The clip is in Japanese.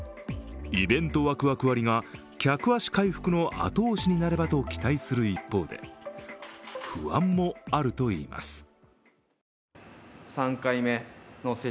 イベントワクワク割が客足回復の後押しになればと期待する一方で、不安もあるといいます。